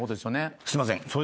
すいません。